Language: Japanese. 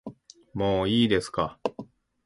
もういいですか